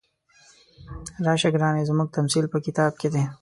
راشه ګرانې زموږ تمثیل په کتاب کې دی.